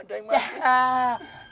ada yang mati